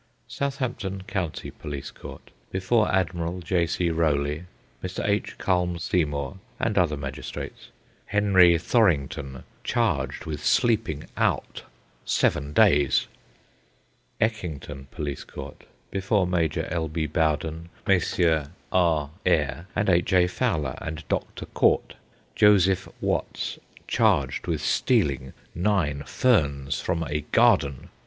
Southampton County Police Court. Before Admiral J. C. Rowley, Mr. H. H. Culme Seymour, and other magistrates. Henry Thorrington, charged with sleeping out. Seven days. Eckington Police Court. Before Major L. B. Bowden, Messrs. R. Eyre, and H. A. Fowler, and Dr. Court. Joseph Watts, charged with stealing nine ferns from a garden.